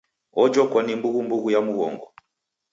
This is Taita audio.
Ojokwa ni mbughumbughu ya mghongo.